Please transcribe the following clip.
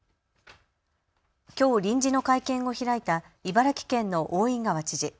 きょう臨時の会見を開いた茨城県の大井川知事。